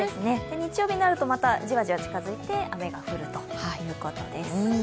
日曜日になると、またじわじわ近づいて雨が降るということです。